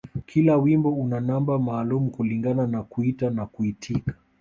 Kila wimbo una namba maalum kulingana na kuita na kuitika